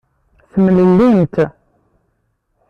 Temlellimt.